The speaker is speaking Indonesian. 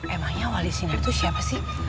emangnya wali sinar tuh siapa sih